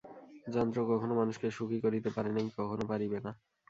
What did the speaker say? যন্ত্র কখনও মানুষকে সুখী করিতে পারে নাই, কখনও পারিবে না।